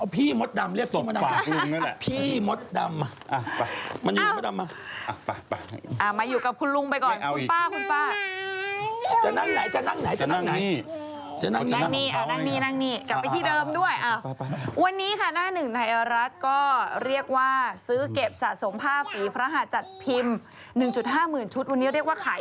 พี่ต้นเมล่าขาวนั่นหนึ่งให้ฟังดีกว่าวันนี้มาลูกตักลุงมดดำไป